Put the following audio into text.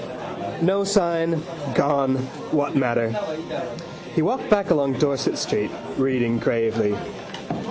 No sign. Gone. What matter? He walked back along Dorset street, reading gravely.